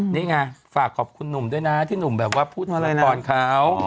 นี่ไงฝากขอบคุณหนุ่มด้วยนะที่หนุ่มแบบว่าพูดละครเขา